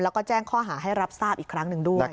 แล้วก็แจ้งข้อหาให้รับทราบอีกครั้งหนึ่งด้วย